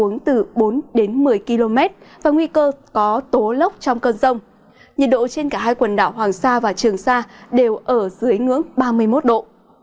nhiệt độ trên cả hai quần đảo hoàng sa và trường sa đều ở dưới ngưỡng ba mươi một độ